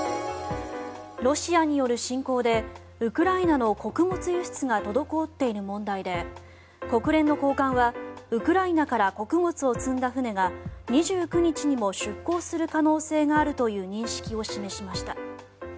ロシアによる侵攻でウクライナの穀物輸出が滞っている問題で、国連の高官はウクライナから穀物を積んだ船が２９日にも出港する可能性があるという認識を示しました。